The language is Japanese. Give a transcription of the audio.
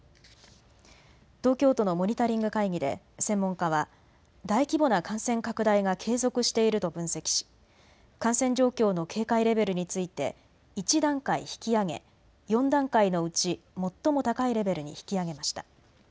東京都のモニタリング会議で専門家は大規模な感染拡大が継続していると分析し感染状況の警戒レベルについて１段階引き上げ４段階のうち最も高いレベルに引き上げました。